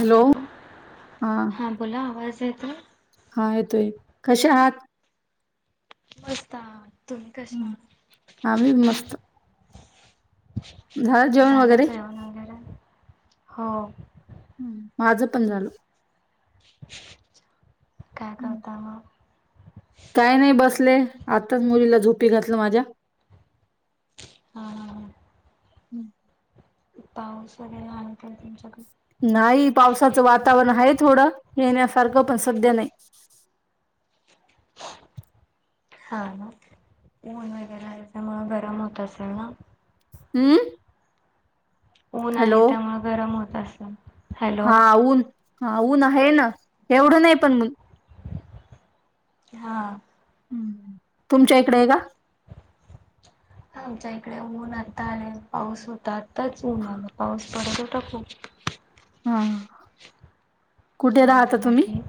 Hello हा बोला, आवाज येतोय. हा येतोय, कसे आहात? मस्त! तुम्ही कसे आहात? आम्ही मस्त झालं जेवण वगैरे झालंच जेवण वगैरे? हो. हम माझं पण झालं. काय करता मग? काय नाही बसले, आताच मुलीला झोपी घातलं माझ्या. हा हा हा. हम. पाऊस वगैरे आहे काय तुमच्याकडे? येण्या सारखं पण सध्या नाही. [inaudible] हा ना ऊन वगैरे याच्यामुळं गरम होत असेल ना? अम. ऊन आहे त्यामुळं गरम होत असलं? हा ऊन हा ऊन आहे ना, एवढं नाही पण मु हा. ह ह तुमच्या इकडे आहे का? आमच्या इकडे ऊन आता आले पाऊस होता, आताच ऊन आलं पाऊस पडत होता खूप. हा कुठे हा राहता तुम्ही? बाकी?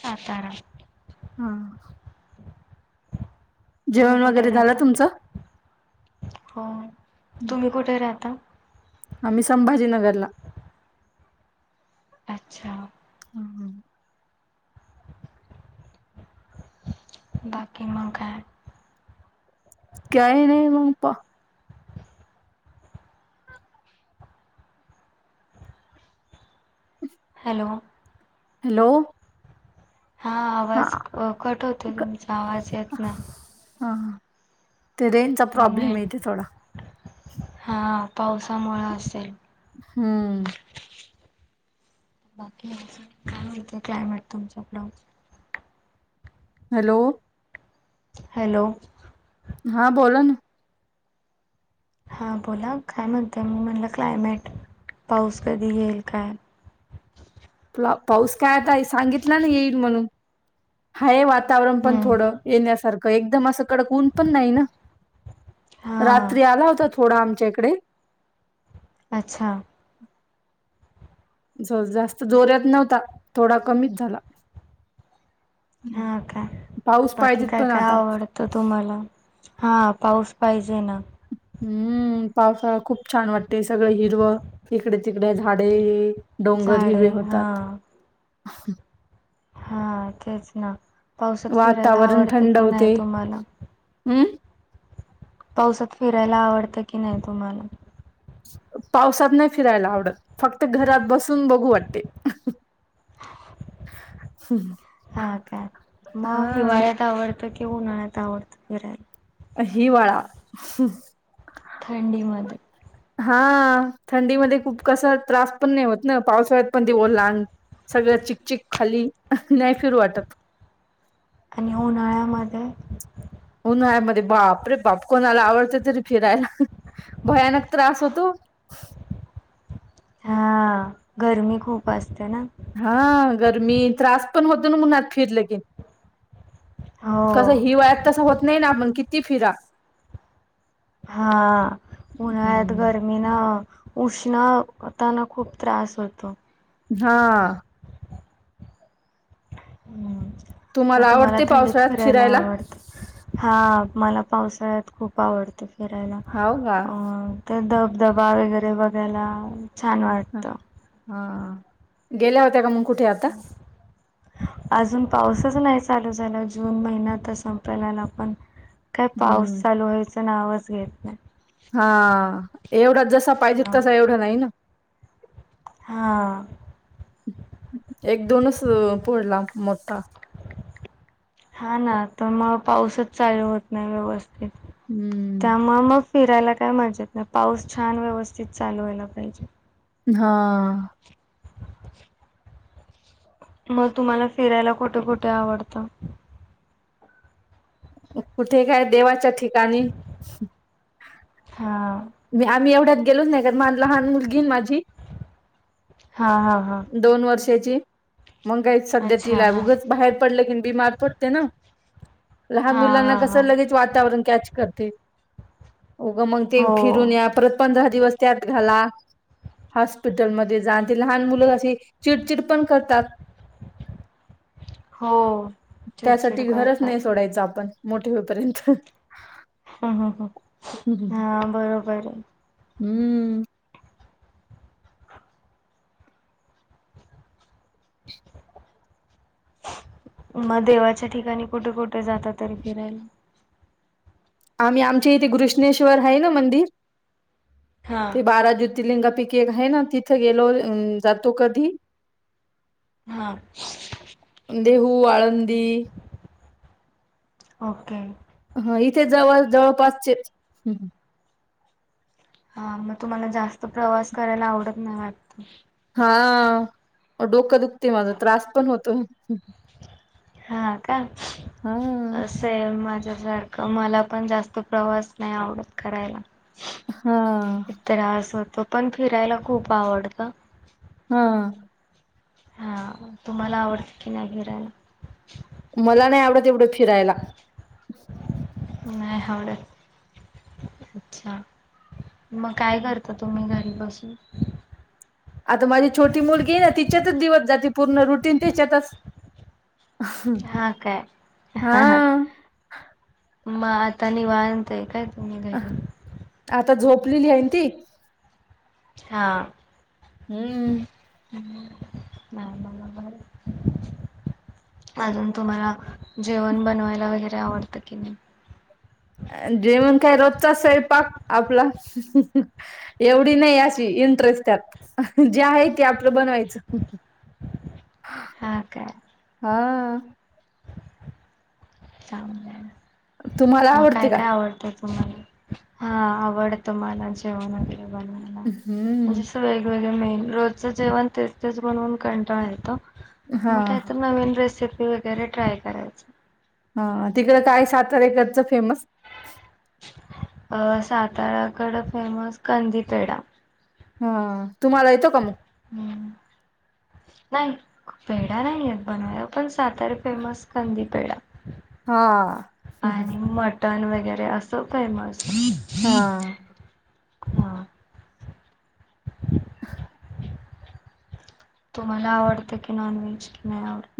सातारा. हा हा. तुम्ही जेवण कुठे वगैरे झालं राहता? तुमचं? हो, तुम्ही कुठे राहता? आम्ही संभाजीनगरला. अच्छा! बाकी म काय? काही नाही म पा हॅलो! हॅलो! हा आवाज क-कट होतोय, क तुमचा आवाज येत नाही. हा ते रेंजचा प्रॉब्लेम ये हिथं नेट थोडा. पावसामुळं असेल. हम. बाकी काय म्हणताय, क्लायमेट तुमच्याकडं? हॅलो! हॅलो! हा बोला ना. हा बोला, काय म्हणताय म म्हणलं क्लायमेट? पाऊस कधी येईल काय पला पाऊस काय आता आहे, सांगितला ना येईल म्हणून. हाय वातावरण पण हम्म थोडं येण्यासारखं. एकदम असं कडक ऊन पण नाही ना. हां रात्री आला होता थोडा. थोडा आमच्या इकडे. अच्छा. ज-जास्त जोऱ्यात नव्हता. थोडा कमीच झाला. हम्म. हा काय पाऊस बाकी पाहिजेत काय पण काय आता आवडतं तुम्हाला? हा पाऊस पाहिजे ना. हम्म पावसाळा खूप छान वाटतोय. सगळं हिरवं इकडे-तिकडे झाडे. डोंगर झाडे हिरवे होतात. हा हा तेच ना पावसात फिरायला वातावरण आवडतं थंड की नाही होते तुम्हाला? हम्म पावसात फिरायला आवडतं की नाही तुम्हाला? पावसात नाही फिरायला आवडत. फक्त घरात बसून बघू वाटते. ह हा का मग हा हिवाळ्यात आवडतं कि उन्हाळ्यात आवडतं फिरायला. हिवाळा. थंडीमध्ये हा. थंडीमध्ये खूप कस त्रास पण नाही होत ना पावसाळ्यात पण ते ओलं आंग सगळं चिकचिक खाली. नाही फिरू वाटत. आणि उन्हाळ्यामध्ये? उन्हाळ्यामध्ये बाप रे बाप कोणाला आवडत तरी फिरायला. भयानक त्रास होतो. हा. गरमी खूप अस हा गरमी त्रास पण होतो ना उनत फिरलं की. कसं हो हिवाळत तसा होत नाही ना आपण किती फिरा. हा उन्हाळ्यात हम्म. गरमी ना. उष्ण तान खूप त्रास होतो. हां. हम्म. मग तुम्हाला थंडीत फिरायला आवडत? हा मला पावसाळ्यात खूप आवडतं फिरायला हाव का अं ते धबधबा वगैरे बघायला छान वाटत. हा गेल्या होत्या का मग कुठे आता? अजून पाऊसच नाही चालू झाला जून महिना आता संपयला आला पण काय पाऊस हम्म चालू व्हायच नावच घेत नाही. हा एवढा जसा पाहिजे हा. तसा एवढं नाही ना. हा. एक दोनच पडला. मोठ्ठा. हा ना तर मग पाऊसच चालू होत नाही व्यवस् थित हम्म त्यामुळ मग फिरायला काय मजा येत नाई. पाऊस छान व्यवस्थित चालू व्हायला पाहिजे. हा. [inaudible] मग तुम्हाला फिरायला कुठे कुठे आवडतं? कुठे काय देवाच्या ठिकाणी. हा वे आम्ही एवढ्या गेलोच नाही. [unintelligible] लहान मुलगी माझी हा हा हा दोन वर्षाची. मग काय सध्या अच्छा तिला हा उघंच बाहेर पडलं की बीमार पडते ना. लहान हा मुलांना हा हा कसं लगेच वातावरण कॅच करते उगं मग ते फिरून हो या परत पंधरा दिवस त्यात घाला. हॉस्पिटलमध्ये जाण लहान मुलं अशी चिडचिड पण करतात. हो चिडचिड त्यासाठी घरच करतात नाही सोडायचं आपण मोठे होईपर्यंत. हा बरोबरहे. हम्म. मग देवाच्या ठिकाणी कुठे कुठे जाता तरी फिरायला? आम्ही आमच्या इथे गृष्णेश्वर हाय ना मंदिर हा ते बारा ज्यो तीरलिंगा पैकी एक ह ना तिथं गेलो जातो कधी. हा. देहू, आळंदी ओके. इथे जवळ जवळपासचे. हा मग तुम्हाला जास्त प्रवास करायला आवडत नाही वाटत. हा. डोकं दुखते माझा त्रास पण होतो. हा का हा असय मग माझ्या सारखंमी. मला पण जास्त प्रवास नाही आवडत करायला. हा त्रास होतो. पण फिरायला खूप आवडत. हं. हा तुम्हाला आवडते की नाही फिरायला? मला नाही आवडत एवढं फिरायला. आवडे. अच्छा. मग काय करता मग तुम्ही घरी? बसून. आता माझी छोटी मुलगी तिच्यातच दिवस जाते. पूर्ण रुटीन त्याच्यातच. हा काय. ह हा मग आता निवांत. येताय का तुम्ही घरी? आता झोपलेली आहे ना ती. हा. हम्म. ह नाही मला बाई. अजून तुम्हाला जेवण बनवायला वगैरे आवडतं की नाही? जेवण काय रोजचा स्वयंपाक आपला एवढी नाही. अशी इंटरेस्ट त्यात. जे आहे ते. बनवायचं हा काय हा. तुम्हाला मग आवडते का? काय-काय आवडतं? तुम्हाला. हा आवडतं मला जेवणामध्ये. सर्वांना हम्म. थोडसं वेगळ आहे. रोजच-जेवण. तेच-तेच बनवून कंटाळा येतो. हा मग काहीतरी नवीन रेसिपी ते वगैरे ट्राय करायची. हा तिकडें काय सातारेकडचं फेमस? अ साताऱ्याकडे फेमस कंदीपेडा. हा तुम्हाला येतो का मग? हम्म नाही पेढा नाही येत बनवायला. पण सातार फेमस कंदी पेढा. हा. हम. हम. टन वगैरे असं फेमस. हा. हां. तुम्हाला आवडतं की नॉनव्हेज?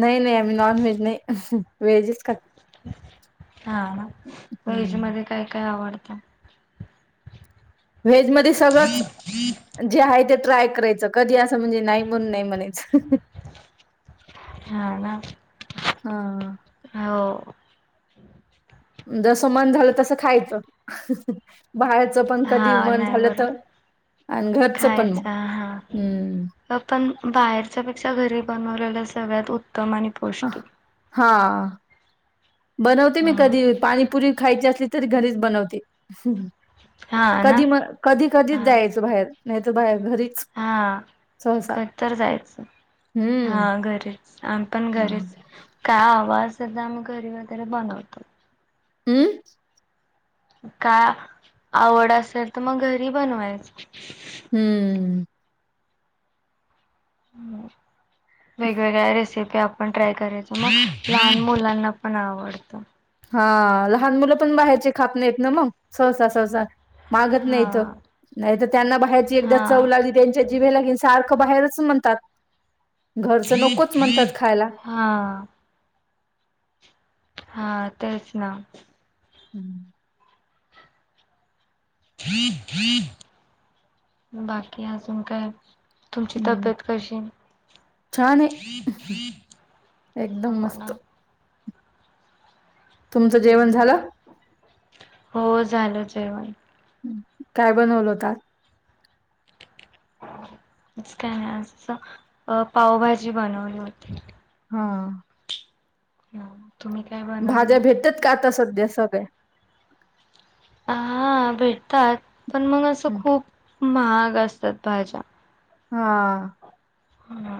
नाही-नाही आम्ही नॉनव्हेज नाही. व्हेजच खातो. हा व्हेज हम्म. मध्ये काय-काय आवडतं? व्हेज मध्ये सगळंच. जे आहे ते ट्राय करायचं. कधी अस. म्हणजे नाही म्हनून नाही म्हणायचं. हा. ना. हा. हा. जस मन झालं तस खायचं. बाहेरचं पण कधी मन झालं तर आणि घरचं पण खायच मग. हा. हम्म पण बाहेरच्या पेक्षा घरी बनवलेल सगळ्यात उत्तम आणि पौष्टिक. अ- हा. बनवते मी हम्म कधी. पाणीपुरी खायची असली तरी घरीच बनवते. हा ना कधी मग कधी-कधी हा जायचं बाहेर नाहीतर बाहेर घरीच हा सहसा कधीतरी जायचं हा हम्म. घरीच. आ पण हा घरीच. काय आवडलं तर आम्ही घरीच वगैरे बनवतो. हम्म. काय आवड असेल तर मग घरी बनवायचं. हम्म. वेगवेगळ्या रेसिपी आपण ट्राय करायचो मग लहान मुलांना पण आवडत. हा लहान मुलं पण बाहेरचे खात नाही मग सहसा, सहसा. मागत नाहीत हा नाही तर त्यांना बाहेरची एकदा चव हा लागली त्यांच्या जिभेली की सारख. क बाहेरचं म्हणतात घरचं नकोच म्हणतात खायला. हा हा तेच ना. हम्म. [inaudible] बाकी अजून काय? तुमची हम्म, तब्येत कशी आहे? छान आहे एकदम हो मस्त. ना तुमचं जेवण झालं? हो झालचं आहे बघा. काय बनवल होता? आज काय नाही असं अ पावभाजी बनवली होती. हा. हम्म. भाज्या भेटतात का? आत्ता सध्या सगळ्या. हा हा भेटतात पण मग असं हं. खूप महाग असतात भाज्या हा. हो का.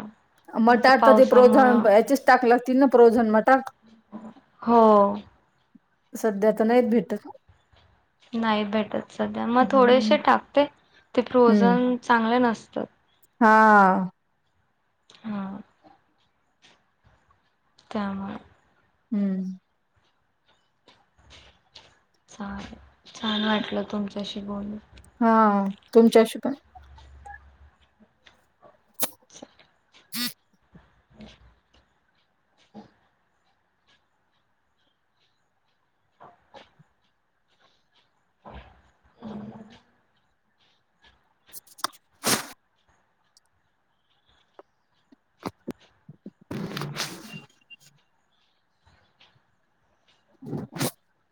मटार तर ते फ्रोझन याचीच टाक लागतील ना फ्रोझन मट [inaudible] हो. सध्या तर नाहीत भेटत. नाही भेटत सध्या मग हम्म थोडेसे टाकते. ते फ्रोझन हम्म चांगले नसतं. हा. हा. कामं हम्म. छान, छान वाटलं तुमच्याशी बोलून. हो तुमच्याशी पण चालेल. [inaudible] [inaudible] [inaudible] [inaudible] [inaudible] [inaudible]